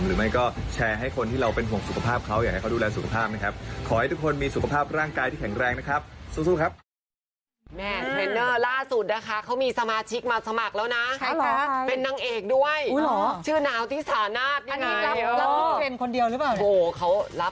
หรือไม่ก็แชร์ให้คนที่เราเป็นห่วงสุขภาพเขาอยากให้เขาดูแลสุขภาพนะครับ